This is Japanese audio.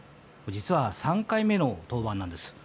実は３回目の登板なんです。